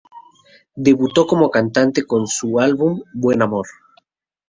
Debutó como cantante con su álbum "Buen Amor".